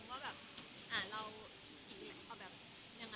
อ่าเราอย่างนี้ก็แบบ